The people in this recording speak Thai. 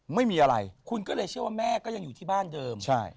ไม่มีอะไรคุณก็เลยเชื่อว่าแม่ก็ยังอยู่ที่บ้านเดิม